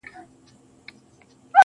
خدایه قربان دي، در واری سم، صدقه دي سمه.